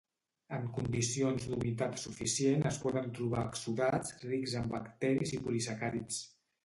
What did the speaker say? En condicions d'humitat suficient es poden trobar exsudats rics en bacteris i polisacàrids.